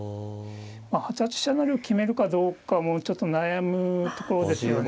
８八飛車成を決めるかどうかもちょっと悩むところですよね。